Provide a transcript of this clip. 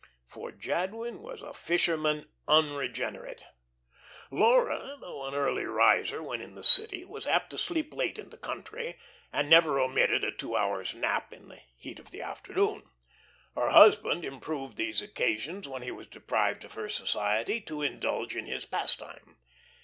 For Jadwin was a fisherman unregenerate. Laura, though an early riser when in the city, was apt to sleep late in the country, and never omitted a two hours' nap in the heat of the afternoon. Her husband improved these occasions when he was deprived of her society, to indulge in his pastime.